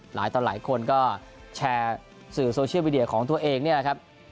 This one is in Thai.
หลายตอนหลายคนก็แชร์สื่อโซเชียลวิเดียของตัวเองเนี่ยครับ